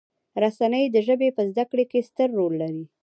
رسنۍ د ژبې په زده کړې کې ستر رول لري.